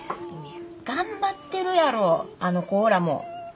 頑張ってるやろあの子らも。